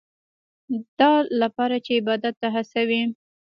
دا لپاره چې عبادت ته هڅوي.